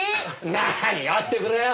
何よしてくれよ。